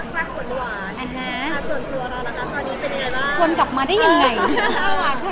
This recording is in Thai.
ถึงทลิมดิลเชอเวมก็จะเบื้องกลั๊ครักหวนหวาน